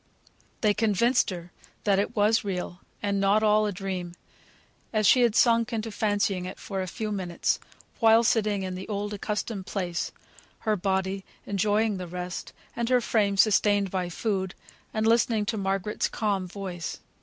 They convinced her that it was real, and not all a dream, as she had sunk into fancying it for a few minutes, while sitting in the old accustomed place, her body enjoying the rest, and her frame sustained by food, and listening to Margaret's calm voice.